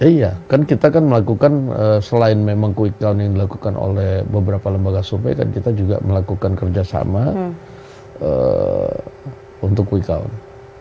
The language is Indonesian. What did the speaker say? iya kan kita kan melakukan selain memang quick count yang dilakukan oleh beberapa lembaga survei kan kita juga melakukan kerjasama untuk quick count